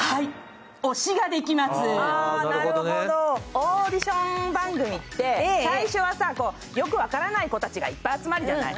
オーディション番組って、最初はさ、よく分からない子たちがいっぱい集まるじゃない。